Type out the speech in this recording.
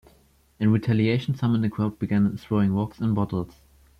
In retaliation, some in the crowd began throwing rocks and bottles.